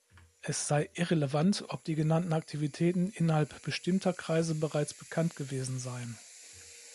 Es sei irrelevant, ob die genannten Aktivitäten innerhalb bestimmter Kreise bereits bekannt gewesen seien.